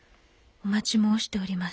お待ち申しております。